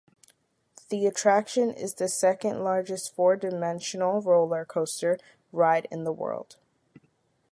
The attraction is the second largest four-dimensional roller coaster ride in the world.